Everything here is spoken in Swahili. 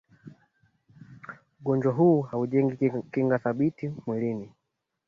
ugonjwa huu haujengi kinga thabiti mwilini